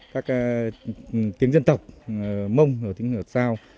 các tiếng dân tộc mông tiếng hợp sao